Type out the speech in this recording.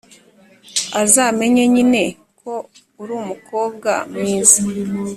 azamenye nyine ko uri umukobwa mwiza.